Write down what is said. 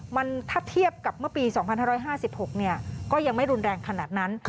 มันถ้าเทียบกับเมื่อปี๒๕๕๖ก็ยังไม่รุนแรงขนาดนั้น